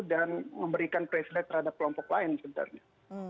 dan memberikan presiden terhadap kelompok lain sebenarnya